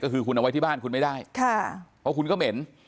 ก็คือคุณเอาไว้ที่บ้านคุณไม่ได้ค่ะเพราะคุณก็เหม็น